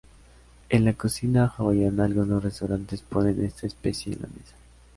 En la cocina hawaiana algunos restaurantes ponen esta especia en la mesa.